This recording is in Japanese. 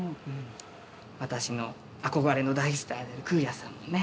私の憧れの大スターである空也さんがね